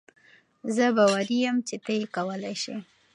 زۀ باوري يم چې تۀ یې کولای شې.